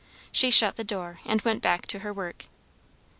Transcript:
She shut the door and went back to her work.